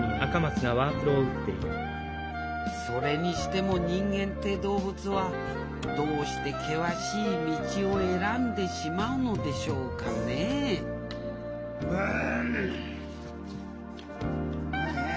それにしても人間って動物はどうして険しい道を選んでしまうのでしょうかねえうん！